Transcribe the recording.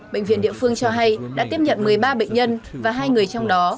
bệnh viện địa phương cho hay đã tiếp nhận một mươi ba bệnh nhân và hai người trong đó